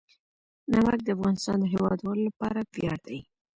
نمک د افغانستان د هیوادوالو لپاره ویاړ دی.